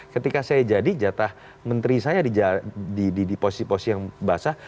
ketika saya jadi jatah menteri saya di posisi posisi yang basah